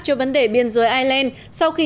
cho vấn đề biên giới ireland sau khi